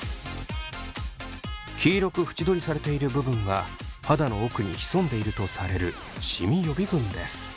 黄色く縁取りされている部分が肌の奥に潜んでいるとされるシミ予備軍です。